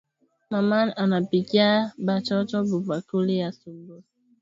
Maman anapikia ba toto bu kali asubui